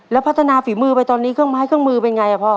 แล้วพัฒนาฝีมือไปตอนนี้เครื่องไม้เครื่องมือเป็นไงพ่อ